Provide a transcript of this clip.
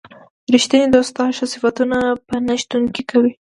ریښتینی دوست ستا ښه صفتونه په نه شتون کې کوي.